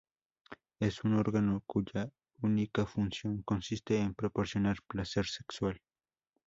Es un órgano cuya única función consiste en proporcionar placer sexual.